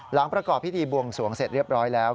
ประกอบพิธีบวงสวงเสร็จเรียบร้อยแล้ว